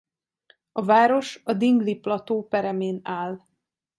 A város a Dingli-plató peremén áll.